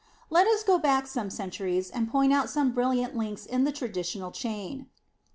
"* Let us go back some centuries, and point out some brilliant links in the traditional chain.